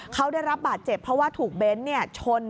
เขาได้รับบาดเจ็บเพราะว่าถูกเบ้นชน